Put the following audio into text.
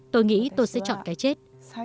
tôi nghĩ tôi sẽ chọn cái chết